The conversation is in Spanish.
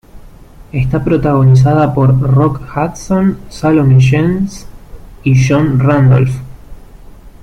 Está protagonizada por Rock Hudson, Salome Jens y John Randolph.